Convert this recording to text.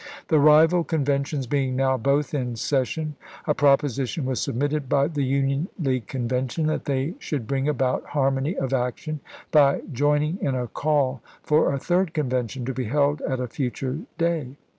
The rival conventions being now both in session a proposition was submitted by the Union League Convention that they should bring about harmony of action by joining in a call for a third convention, to be held at a future day.